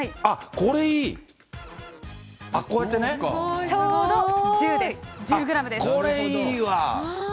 これいいわ。